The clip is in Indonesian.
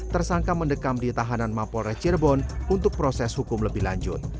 tersangka mendekam di tahanan mapol recirebon untuk proses hukum lebih lanjut